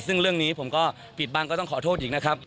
ซึ่งเรื่องนี้ผมก็ปิดบังก็ต้องขอโทษอีกนะครับ